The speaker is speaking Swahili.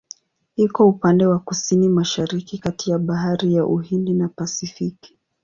Iko upande wa Kusini-Mashariki kati ya Bahari ya Uhindi na Pasifiki.